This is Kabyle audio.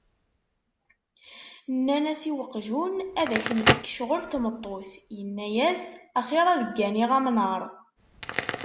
Nnan-as i uqjun, ad ak-nefk ccɣel n tmeṭṭut. Yenna-as, axir ad gganiɣ amnaṛ.